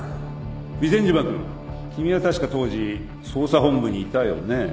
備前島君君は確か当時捜査本部にいたよね？